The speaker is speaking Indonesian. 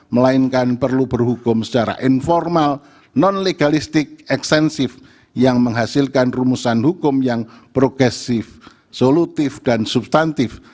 melainkan perlu berhukum secara informal non legalistik ekstensif yang menghasilkan rumusan hukum yang progresif solutif dan substantif